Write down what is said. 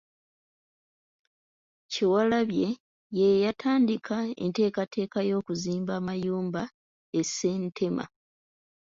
Kyewalabye y'eyatandika enteekateeka y’okuzimba amayumba e Ssentema.